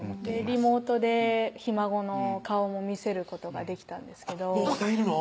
リモートでひ孫の顔も見せることができたんですけどもうお子さんいるの？